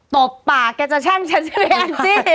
ตบปากแกจะช่างฉันใช่ไหมอันสิ